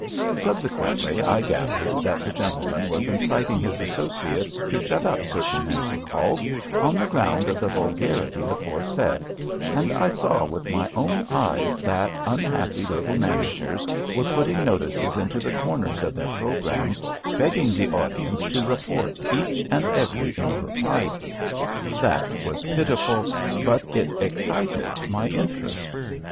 Subsequently, I gathered that the gentleman was inciting his as sociates to shut up certain music halls on the ground of the vulgarity aforesaid, and I saw with my own eyes that unhappy little managers were putting notices into the corners of their pro grammes begging the audience to report each and every impropriety. That was pitiful, but it ex cited my interest.